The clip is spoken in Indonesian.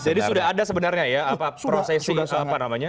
jadi sudah ada sebenarnya ya prosesi apa namanya